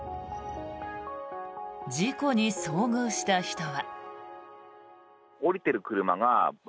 事故に遭遇した人は。